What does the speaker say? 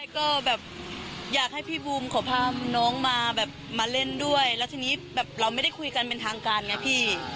ก็แบบอยากให้พี่บูมขอพาน้องมาแบบมาเล่นด้วยแล้วทีนี้แบบเราไม่ได้คุยกันเป็นทางการไงพี่